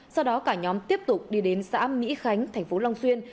sau đó cả nhóm tiếp tục đi đến xã mỹ khánh thành phố long xuyên